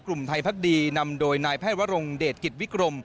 กลุ่มไทยพักดีนำโดยนายแพทย์วรงเดชกิจวิกรม